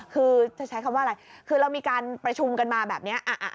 คือจะใช้คำว่าอะไรคือเรามีการประชุมกันมาแบบนี้